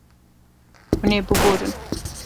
Hûn ê biborin.